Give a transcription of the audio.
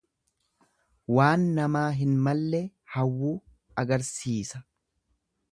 Waan namaa hin malle hawwuu agarsiisa.